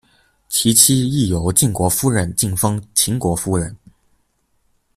其妻亦由晋国夫人进封秦国夫人。